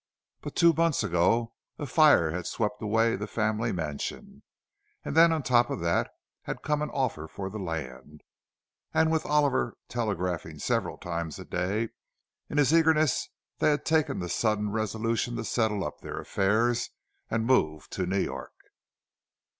But two months ago a fire had swept away the family mansion, and then on top of that had come an offer for the land; and with Oliver telegraphing several times a day in his eagerness, they had taken the sudden resolution to settle up their affairs and move to New York.